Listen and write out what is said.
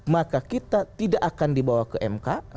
maka kita tidak akan dibawa ke mk